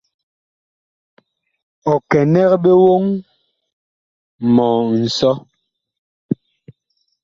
Ɔ kɛnɛg ɓe woŋ mɔ nsɔ.